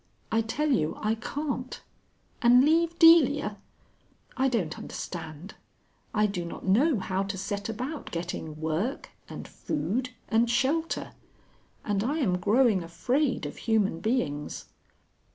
I tell you I can't. And leave Delia! I don't understand.... I do not know how to set about getting Work and Food and Shelter. And I am growing afraid of human beings...."